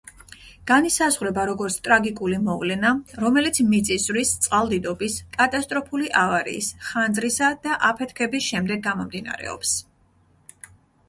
განისაზღვრება როგორც ტრაგიკული მოვლენა, რომელიც მიწისძვრის, წყალდიდობის, კატასტროფული ავარიის, ხანძრისა და აფეთქების შემდეგ გამომდინარეობს.